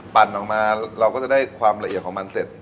ออกมาเราก็จะได้ความละเอียดของมันเสร็จ